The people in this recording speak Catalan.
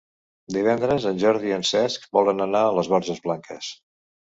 Divendres en Jordi i en Cesc volen anar a les Borges Blanques.